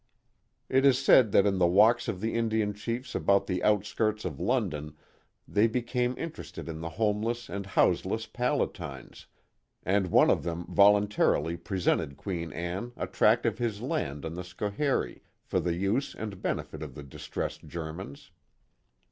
It is said that in the walks of the Indian chiefs about the outskirts of London, they became interested in the homeless and houseless Palatines, and one of them voluntarily presented Queen Anne a tract of his land on the Schoharie, for the use and benefit of the distressed Germans.